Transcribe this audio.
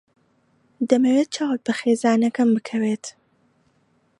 دەمەوێت چاوت بە خێزانەکەم بکەوێت.